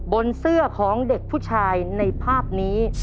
บนเสื้อของเด็กผู้ชายในภาพนี้